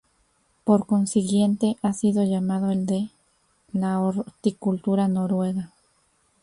Por consiguiente, ha sido llamado "el de la horticultura noruega".